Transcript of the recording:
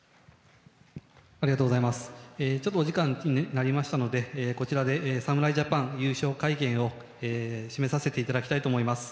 お時間になりましたので侍ジャパン優勝会見を締めさせていただきたいと思います。